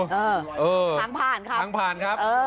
ทางผ่านครับทางผ่านครับ